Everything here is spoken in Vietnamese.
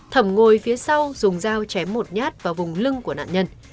thẩm ngồi phía sau dùng dao chém một nhát vào vùng lưng của nạn nhân